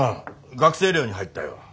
学生寮に入ったよ。